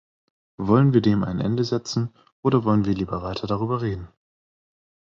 Wollen wir dem ein Ende setzen, oder wollen wir lieber weiter darüber reden?